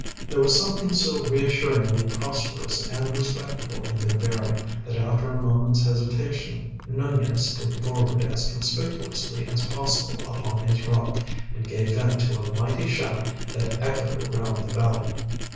There was something so reassuringly prosperous and respectable in their bearing that after a moment's hesitation Nunez stood forward as conspicuously as possible upon his rock, and gave vent to a mighty shout that echoed round the valley.